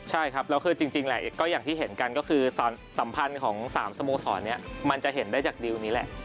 ใช่ครับแล้วคือจริงแหละก็อย่างที่เห็นกันก็คือสัมพันธ์ของ๓สโมสรนี้มันจะเห็นได้จากดิวนี้แหละ